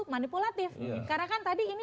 manipulatif karena kan tadi ini